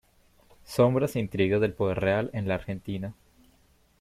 Sombras e intrigas del poder real en la Argentina".